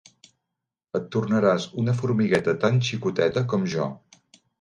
Et tornaràs una formigueta tan xicoteta com jo.